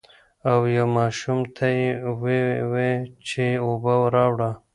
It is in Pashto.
او يو ماشوم ته يې ووې چې اوبۀ راوړه ـ